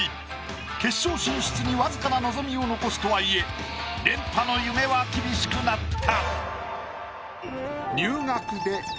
決勝進出に僅かな望みを残すとはいえ連覇の夢は厳しくなった。